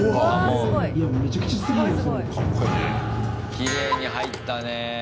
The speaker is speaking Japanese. きれいに入ったねえ。